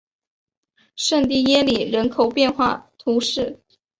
圣蒂耶里人口变化图示